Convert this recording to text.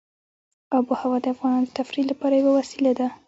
آب وهوا د افغانانو د تفریح لپاره یوه وسیله ده.